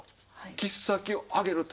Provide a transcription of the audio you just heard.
切っ先を上げると。